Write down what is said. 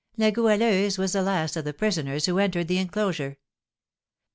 La Goualeuse was the last of the prisoners who entered the enclosure.